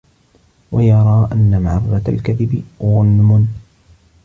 وَيَرَى أَنَّ مَعَرَّةَ الْكَذِبِ غُنْمٌ